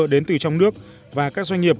đến từ trong nước và các doanh nghiệp